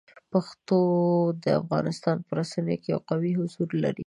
پښتو د افغانستان په رسنیو کې یو قوي حضور لري.